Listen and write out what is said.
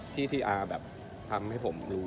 ที่ที่อาแบบทำให้ผมรู้